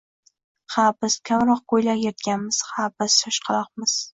Ha, biz kamroq kuylak yirtganmiz, ha biz shoshqaloqmiz